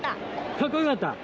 かっこよかった？